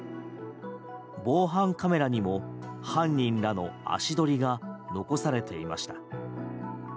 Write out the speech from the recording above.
防犯カメラにも犯人らの足取りが残されていました。